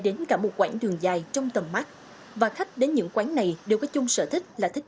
đến cả một quãng đường dài trong tầm mắt và khách đến những quán này đều có chung sở thích là thích